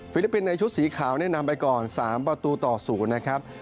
ลิปปินส์ในชุดสีขาวแนะนำไปก่อน๓ประตูต่อ๐นะครับ